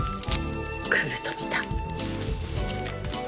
くると見た。